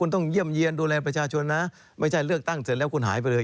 ต้องเยี่ยมเยี่ยนดูแลประชาชนนะไม่ใช่เลือกตั้งเสร็จแล้วคุณหายไปเลย